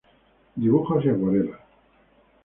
Dibujos y acuarelas.